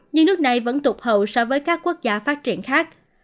nhưng nước này vẫn tụt hậu so với các quốc gia phát triển khác